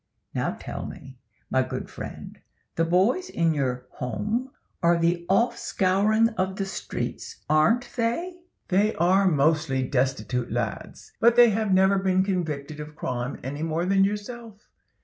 Now tell me, my good friend, the boys in your Home are the offscouring of the streets, aren't they?" "They are mostly destitute lads, but they have never been convicted of crime any more than yourself.